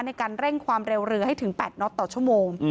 ในการเร่งความเร็วเรือให้ถึง๘น็อตต่อชั่วโมง